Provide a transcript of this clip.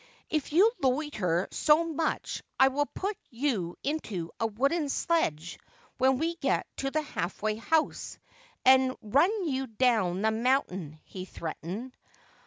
' If you loiter so much I will put you into a wooden sledge when we get to the halfway house, and run you down the moun tain,' he threatened.